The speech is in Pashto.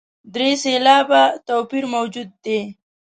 درې سېلابه توپیر موجود دی.